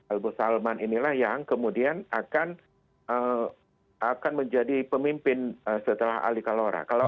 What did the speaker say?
albu salman inilah yang kemudian akan menjadi pemimpin setelah ali kalora